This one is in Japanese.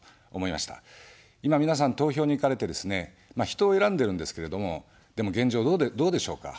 今、皆さん投票に行かれてですね、人を選んでるんですけれども、でも現状どうでしょうか。